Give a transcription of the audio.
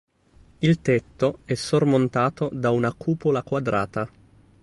Il tetto è sormontato da una cupola quadrata.